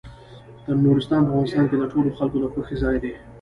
نورستان په افغانستان کې د ټولو خلکو د خوښې ځای دی.